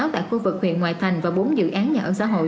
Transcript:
bốn mươi sáu tại khu vực huyện ngoại thành và bốn dự án nhà ở xã hội